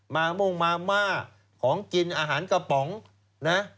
โม่งมาม่าของกินอาหารกระป๋องนะ